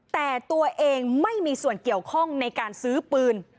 แต่ตัวเองไม่มีส่วนเกี่ยวข้องในการซื้อปืน